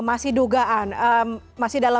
masih dugaan masih dalam